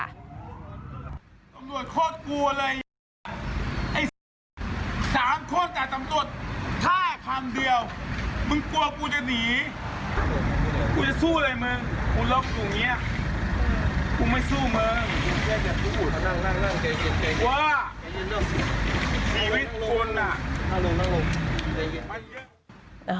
ไม่สู้เมืองนั่งใกล้ชีวิตคุณน่ะ